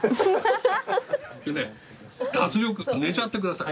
脱力寝ちゃってください。